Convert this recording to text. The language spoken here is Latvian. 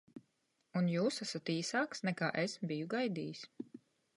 Un jūs esat īsāks, nekā es biju gaidījis.